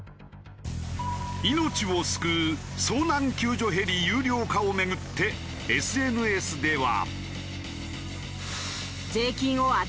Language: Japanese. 命を救う遭難救助ヘリ有料化を巡ってＳＮＳでは。